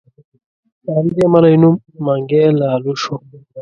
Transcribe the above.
له همدې امله یې نوم منګی لالو شو.